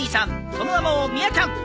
その名も宮ちゃん。